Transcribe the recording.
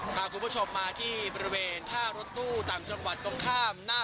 พาคุณผู้ชมมาที่บริเวณท่ารถตู้ต่างจังหวัดตรงข้ามหน้า